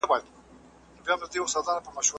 حيران ولاړ زه شمس الدين يم